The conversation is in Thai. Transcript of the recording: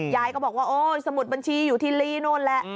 ยายก็บอกว่าโอ๊ยสมุดบัญชีอยู่ที่ลีโน่นแหละ